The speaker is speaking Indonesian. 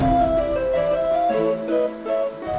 ada aku balutnya